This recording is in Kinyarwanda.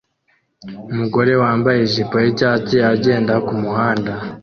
umugore wambaye ijipo yicyatsi agenda kumuhanda